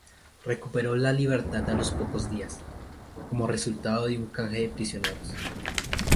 Recuperó la libertad a los pocos días, como resultado de un canje de prisioneros.